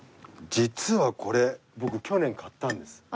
実はこれ僕去年買ったんです。